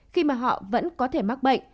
khi mà họ vẫn có thể mắc bệnh